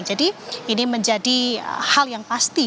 jadi ini menjadi hal yang pasti